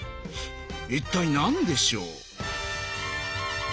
一体何でしょう？